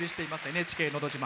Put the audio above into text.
「ＮＨＫのど自慢」。